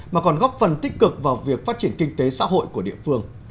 mà còn góp phần tích cực vào việc phát triển kinh tế xã hội của địa phương